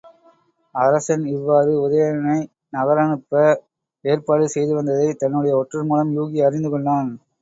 அரசன் இவ்வாறு உதயணனை நகரனுப்ப ஏற்பாடு செய்துவந்ததைத் தன்னுடைய ஒற்றர் மூலம் யூகி அறிந்துகொண்டான்.